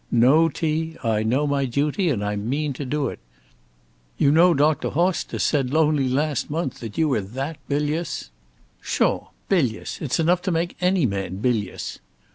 No, T.; I know my duty and I mean to do it. You know Dr. Haustus said only last month that you were that bilious " "Pshaw! bilious! it's enough to make any man bilious!"